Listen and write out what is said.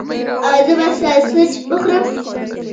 ایا زه باید ساسج وخورم؟